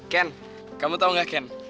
ken kamu tau gak ken